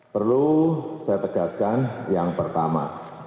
perlu saya tegaskan yang pertama